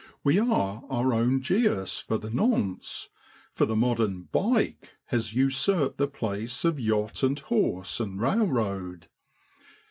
We are our own Jehus for the nonce, for the modern ( bike ' has usurped the place of yacht and horse and railroad.